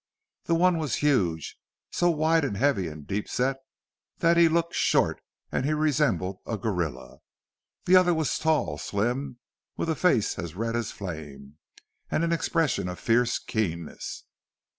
The one was huge so wide and heavy and deep set that he looked short and he resembled a gorilla. The other was tall, slim, with a face as red as flame, and an expression of fierce keenness.